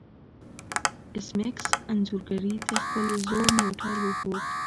ایس میکس انځورګرې ته خپل زوړ موټر وښود